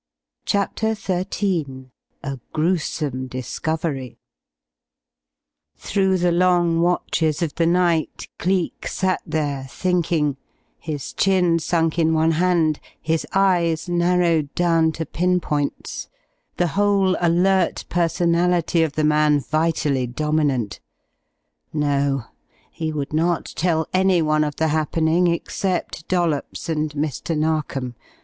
_ CHAPTER XIII A GRUESOME DISCOVERY Through the long watches of the night Cleek sat there thinking, his chin sunk in one hand, his eyes narrowed down to pin points, the whole alert personality of the man vitally dominant. No, he would not tell any one of the happening except Dollops and Mr. Narkom.